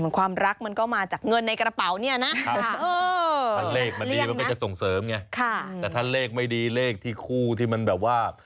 ความรักมันก็มาจากเงินในกระเป๋าเนี่ยนะถ้าเลขมันดีมันก็จะส่งเสริมไงแต่ถ้าเลขไม่ดีเลขที่คู่ที่มันแบบว่า